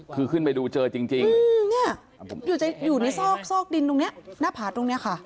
คือขึ้นไปดูเจอจริงเนี่ยอยู่ในซอกซอกดินตรงนี้หน้าผาตรงนี้ค่ะ